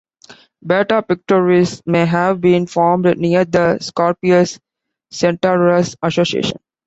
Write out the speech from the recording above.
Beta Pictoris may have been formed near the Scorpius-Centaurus Association.